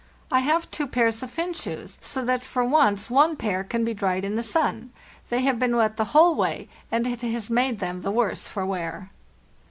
I have two pairs of Finn shoes, so that for 196 FARTHEST NORTH once one pair can be dried in the sun. They have been wet the whole way, and it has made them the worse for wear."